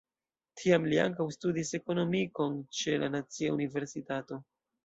Tiam li ankaŭ studis Ekonomikon ĉe la Nacia Universitato.